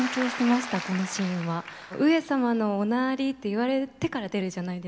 「上様のおなーりー」って言われてから出るじゃないですか。